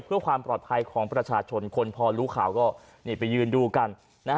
เพื่อความปลอดภัยของประชาชนคนพอรู้ข่าวก็นี่ไปยืนดูกัน